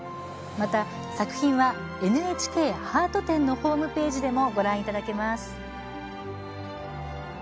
また作品は「ＮＨＫハート展」のホームページでもご覧いただけます。